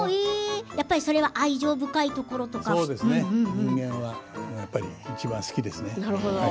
人間はやっぱりいちばん好きですね。